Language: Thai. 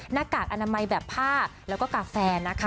หน้ากากอนามัยแบบผ้าแล้วก็กาแฟนะคะ